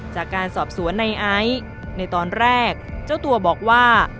จากการสอบสวนในไอซ์ในตอนแรกเจ้าตัวบอกว่า